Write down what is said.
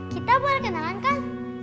kita boleh kenalan kan